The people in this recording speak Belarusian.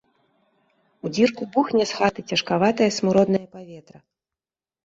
У дзірку бухне з хаты цяжкаватае смуроднае паветра.